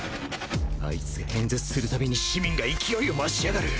あいつが演説する度に市民が勢いを増しやがる。